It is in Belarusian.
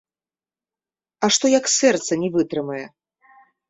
А што, як сэрца не вытрымае?